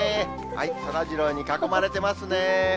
そらジローに囲まれてますね。